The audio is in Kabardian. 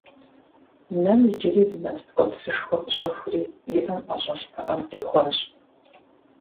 Нэм иджыри зы нэпс ткӀуэпсышхуэ къыщӀэхури, и Іэм ІэщӀэлъ пыӀэм къихуащ